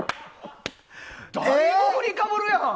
だいぶ振りかぶるな！